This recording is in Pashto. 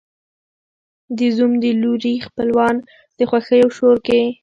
د زوم د لوري خپلوان په خوښیو او شور کې